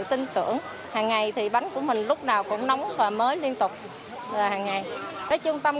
tin tưởng hàng ngày thì bánh của mình lúc nào cũng nóng và mới liên tục hàng ngày cái trung tâm